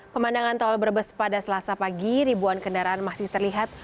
pemandangan tol brebes pada selasa pagi ribuan kendaraan masih terlihat